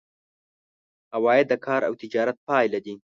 عواید د کار او تجارت پایله دي.